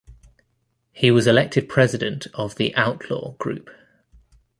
He was elected president of the "outlaw" group.